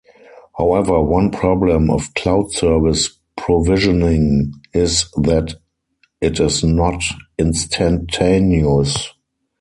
However one problem of cloud service provisioning is that it is not instantaneous.